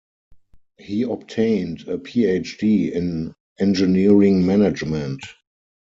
He obtained a PhD in engineering management.